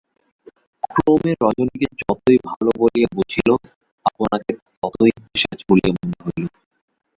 ক্রমে রজনীকে যতই ভালো বলিয়া বুঝিল, আপনাকে ততই পিশাচ বলিয়া মনে হইল।